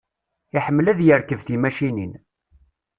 Iḥemmel ad yerkeb timacinin.